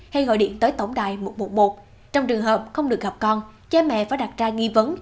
hay gọi điện tới tổng đài một trăm một mươi một trong trường hợp không được gặp con cha mẹ phải đặt ra nghi vấn